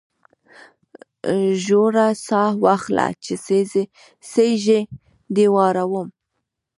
ژوره ساه واخله چې سږي دي واورم